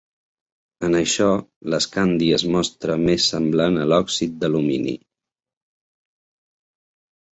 En això, l'escandi es mostra més semblant a l'òxid d'alumini.